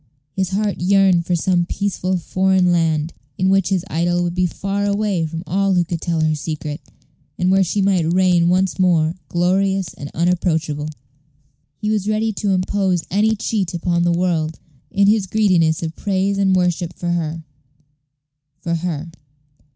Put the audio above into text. His heart yearned for some peaceful foreign land, in which his idol would be far away from all who could tell her secret, and where she might reign once more glorious and unapproachable. He was ready to impose any cheat upon the world, in his greediness of praise and worship for her for her.